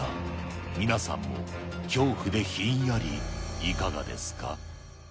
皆さんも恐怖でひんやり、いかがですか。